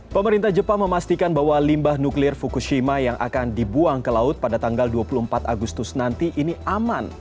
pemerintah jepang memastikan bahwa limbah nuklir fukushima yang akan dibuang ke laut pada tanggal dua puluh empat agustus nanti ini aman